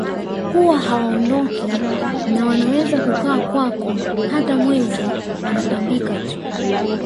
Huwa hawaondoki na wanaweza kukaa kwako hata mwezi wanatambika tu